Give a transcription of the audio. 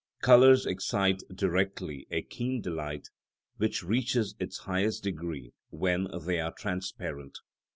Colours excite directly a keen delight, which reaches its highest degree when they are transparent.